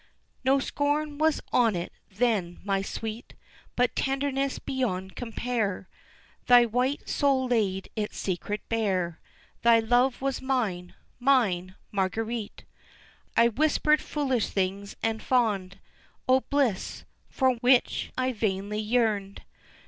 No scorn was on it then, my sweet, But tenderness beyond compare, Thy white soul laid its secret bare, Thy love was mine mine Marguerite! I whispered foolish things and fond, O bliss, for which I vainly yearned!